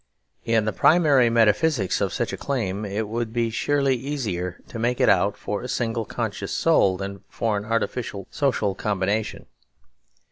In the primary metaphysics of such a claim, it would surely be easier to make it out for a single conscious soul than for an artificial social combination.